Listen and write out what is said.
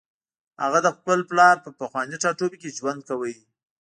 هغه د خپل پلار په پخواني ټاټوبي کې ژوند کاوه